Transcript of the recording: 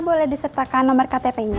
boleh disertakan nomor ktp nya